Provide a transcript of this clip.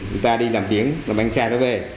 người ta đi làm biển làm ăn xa đó về